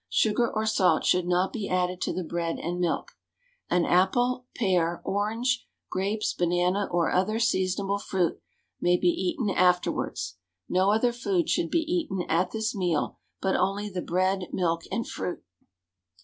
Sugar or salt should not be added to the bread and milk. An apple, pear, orange, grapes, banana, or other seasonable fruit may be eaten afterwards. No other foods should be eaten at this meal, but only the bread, milk, and fruit.